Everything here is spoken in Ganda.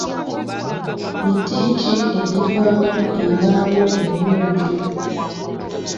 Miti ki egivaamu embaawo ennungi?